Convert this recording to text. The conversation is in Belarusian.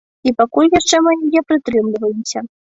І пакуль яшчэ мы яе прытрымліваемся.